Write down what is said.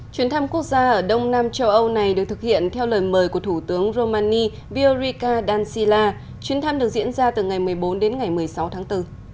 chuyến thăm quốc gia ở đông nam châu âu này được thực hiện theo lời mời của thủ tướng romani viorica dancila chuyến thăm được diễn ra từ ngày một mươi bốn đến ngày một mươi sáu tháng bốn